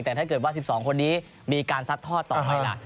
แต่ถ้าเกิดว่า๑๒คนนี้มีการซัดทอดต่อไปล่ะ